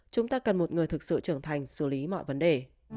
chúng ta cần một người thực sự trưởng thành xử lý mọi vấn đề